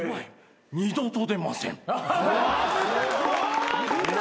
二度と出ません。